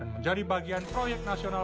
dan menjadi bagian proyek nasional